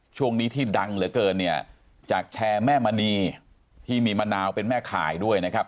ช่วงนี้ที่ดังเหลือเกินเนี่ยจากแชร์แม่มณีที่มีมะนาวเป็นแม่ขายด้วยนะครับ